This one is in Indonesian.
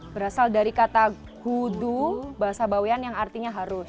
berasal dari kata kudul bahasa bawean yang artinya harus